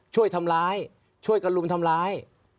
ช่วยทำร้ายช่วยกันลุมทำร้าย